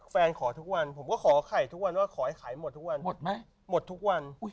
ขอทุกวันผมก็ขอไข่ทุกวันว่าขอให้ไข่หมดทุกวันหมดไหมหมดทุกวัน